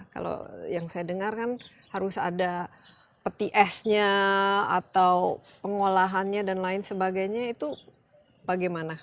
kalau yang saya dengar kan harus ada peti esnya atau pengolahannya dan lain sebagainya itu bagaimana